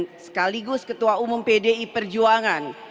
dan sekaligus ketua umum pdi perjuangan